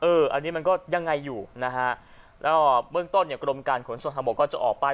อันนี้มันก็ยังไงอยู่นะฮะแล้วเบื้องต้นเนี่ยกรมการขนส่งทางบกก็จะออกไป